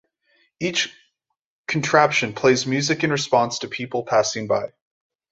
Each "contraption" plays music in response to people passing by.